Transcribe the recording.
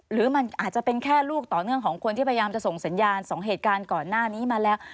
หรือมันอาจจะเป็นแค่ลูกต่อเนื่องของคนที่พยายามจะส่งสัญญาณ๒เหตุการณ์ก่อนหน้านี้มาแล้ว